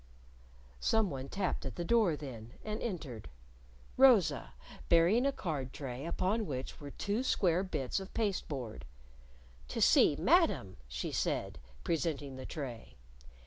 Someone tapped at the door then, and entered Rosa, bearing a card tray upon which were two square bits of pasteboard. "To see Madam," she said, presenting the tray.